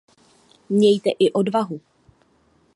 Mějte i odvahu!